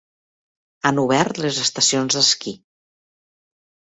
Han obert les estacions d'esquí.